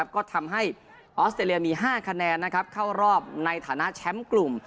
ก็ทำให้ออสเตรเลียมี๕คะแนนเข้ารอบในฐานะแชมป์กลุ่ม